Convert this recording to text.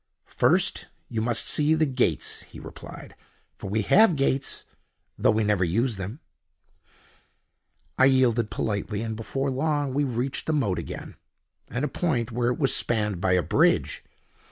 "First, you must see the gates," he replied, "for we have gates, though we never use them." I yielded politely, and before long we reached the moat again, at a point where it was spanned by a bridge.